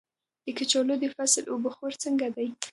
د کچالو د فصل اوبه خور څنګه دی؟